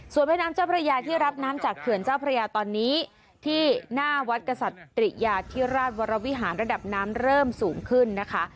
ส่วนแม่น้ำเจ้าพระยาที่รับน้ำจากเขื่อนเจ้าพระยาตอนนี้ที่หน้าวัดกษัตริยาธิราชวรวิหารระดับน้ำเริ่มสูงขึ้นนะคะ